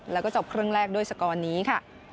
แล้วก็จบครึ่งแรกด้วยสกอร์นี้ค่ะ